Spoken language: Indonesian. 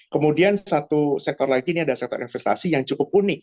kemudian satu sektor lagi ini ada sektor investasi yang cukup unik